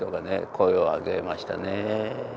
声を上げましたね。